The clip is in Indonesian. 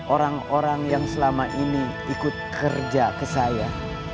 orang orang yang selama ini ikut kerja ke saya